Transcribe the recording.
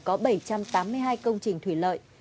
có bảy trăm tám mươi hai công trình thủy lợi